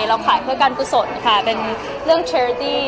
เราขายเพื่อการกุศลค่ะเป็นเรื่องเทรดี้